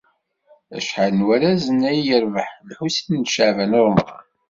Acḥal n warrazen ay d-yerbeḥ Lḥusin n Caɛban u Ṛemḍan?